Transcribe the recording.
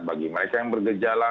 bagi mereka yang bergejala